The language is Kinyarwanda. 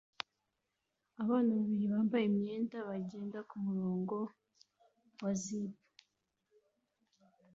Abana babiri bambaye imyenda bagenda kumurongo wa zip